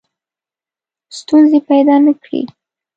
ستونزې پیدا نه کړي.